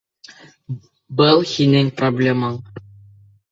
Был һинең проблемаң.